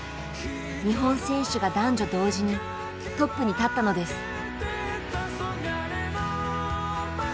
日本選手が男女同時にトップに立ったのです。